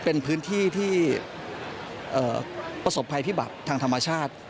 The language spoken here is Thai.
เป็นพื้นที่ที่ประสบภัยพิบัติทางธรรมชาติ